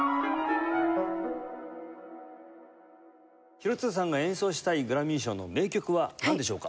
廣津留さんが演奏したいグラミー賞の名曲はなんでしょうか？